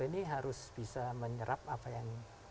ini harus bisa menyerap apa yang